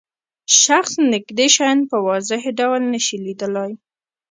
شخص نږدې شیان په واضح ډول نشي لیدلای.